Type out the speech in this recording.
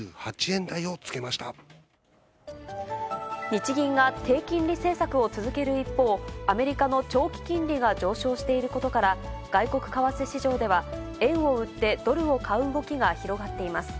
日銀が低金利政策を続ける一方、アメリカの長期金利が上昇していることから、外国為替市場では、円を売ってドルを買う動きが広がっています。